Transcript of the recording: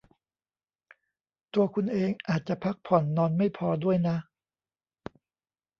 ตัวคุณเองอาจจะพักผ่อนนอนไม่พอด้วยนะ